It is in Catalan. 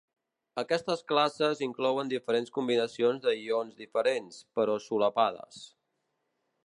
Aquestes classes inclouen diferents combinacions de ions diferents, però solapades.